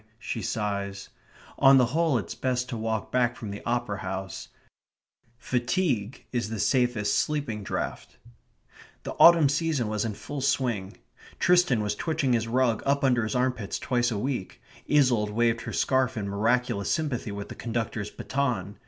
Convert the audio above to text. she sighs. On the whole it's best to walk back from the Opera House. Fatigue is the safest sleeping draught. The autumn season was in full swing. Tristan was twitching his rug up under his armpits twice a week; Isolde waved her scarf in miraculous sympathy with the conductor's baton.